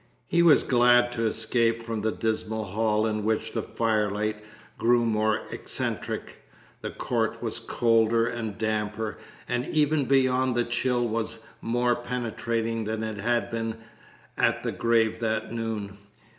He was glad to escape from the dismal hall in which the firelight grew more eccentric. The court was colder and damper, and even beyond the chill was more penetrating than it had been at the grave that noon.